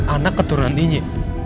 anak keturunan ini